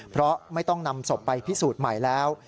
เพราะไม่ต้องนำศพไปพิสูจน์ใหม่แล้ว